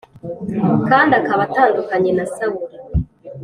kandi akaba atandukanye na Sawuli.